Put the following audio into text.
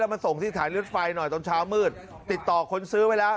มาส่งที่ฐานเลือดไฟหน่อยตอนเช้ามืดติดต่อคนซื้อไว้แล้ว